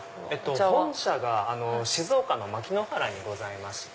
本社が静岡の牧之原にございまして。